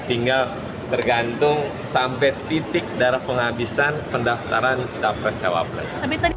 tinggal tergantung sampai titik darah penghabisan pendaftaran capres cawapres